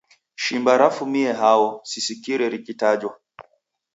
Shimba rafumie hao? Sisikire rikitajwa.